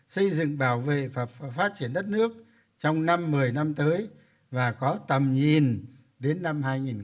xây dựng bảo vệ và phát triển đất nước trong năm một mươi năm tới và có tầm nhìn đến năm hai nghìn ba mươi